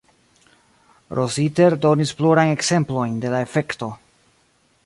Rossiter donis plurajn ekzemplojn de la efekto.